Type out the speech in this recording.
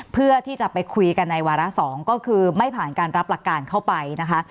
เพื่อที่จะไปคุยกันในวาระ๒ก็คือไม่ผ่านการรับหลักการเข้าไปนะคะ